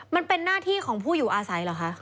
มันเป็นหน้าที่ของผู้อยู่อาศัยเหรอคะ